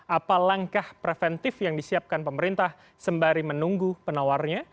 apa langkah preventif yang disiapkan pemerintah sembari menunggu penawarnya